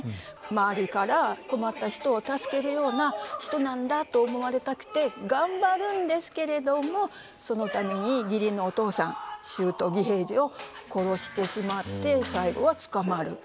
周りから「困った人を助けるような人なんだ」と思われたくて頑張るんですけれどもそのために義理のお父さん舅義平次を殺してしまって最後は捕まる。